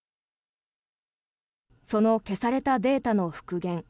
その消されたデータの復元。